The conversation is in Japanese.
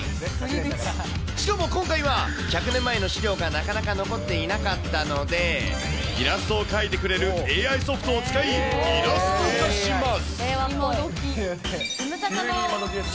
しかも今回は、１００年前の資料がなかなか残っていなかったので、イラストを描いてくれるＡＩソフトを使い、イラスト化します。